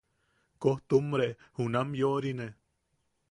Koojtumbre junam yoʼorine.